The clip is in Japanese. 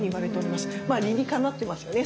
まあ理にかなってますよね